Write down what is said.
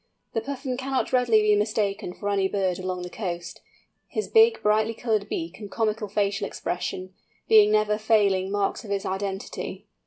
The Puffin cannot readily be mistaken for any other bird along the coast, his big brightly coloured beak and comical facial expression, being never failing marks of his identity.